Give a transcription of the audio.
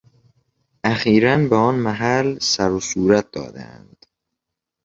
اخیرا به آن محل سر و صورت دادهاند.